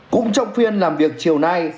cũng trọng phiên làm việc chiều nay